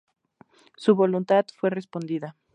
Su voluntad fue respondida.